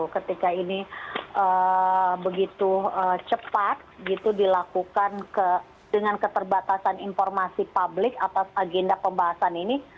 ketika ini begitu cepat dilakukan dengan keterbatasan informasi publik atas agenda pembahasan ini